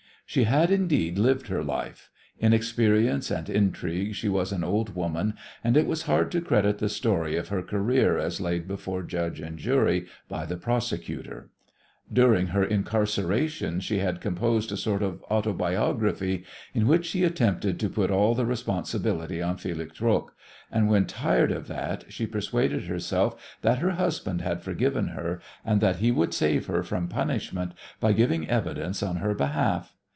She had, indeed, lived her life. In experience and intrigue she was an old woman, and it was hard to credit the story of her career as laid before judge and jury by the prosecutor. During her incarceration she had composed a sort of autobiography in which she attempted to put all the responsibility on Felix Roques, and when tired of that she persuaded herself that her husband had forgiven her, and that he would save her from punishment by giving evidence on her behalf.